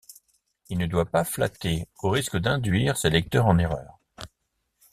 Il ne doit pas flatter, au risque d'induire ses lecteurs en erreur.